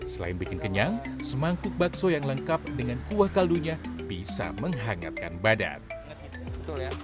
selain bikin kenyang semangkuk bakso yang lengkap dengan kuah kaldunya bisa menghangatkan badan